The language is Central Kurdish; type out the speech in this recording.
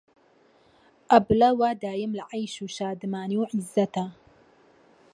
ئەبلە وا دایم لە عەیش و شادمانی و عیززەتا